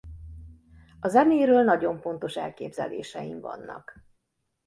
A zenéről nagyon pontos elképzeléseim vannak.